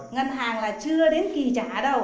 ngân hàng là chưa đến kỳ trả đâu